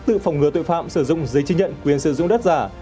tự phòng ngừa tội phạm sử dụng giấy chứng nhận quyền sử dụng đất giả